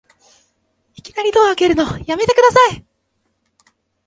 いきなりドア開けるのやめてください